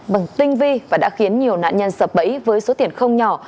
bằng tinh vi và đã khiến nhiều nạn nhân sập bẫy với số tiền không nhỏ